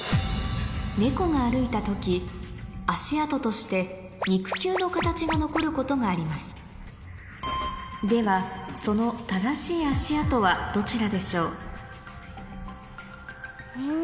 猫が歩いた時足跡として肉球の形が残ることがありますではその正しいどっちだ？